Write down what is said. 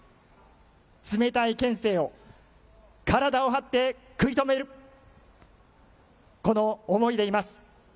冷たい県政を体を張って食い止める、この思いでいます。